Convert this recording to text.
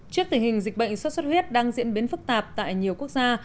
trước tình hình dịch bệnh sốt xuất huyết đang diễn biến phức tạp tại nhiều quốc gia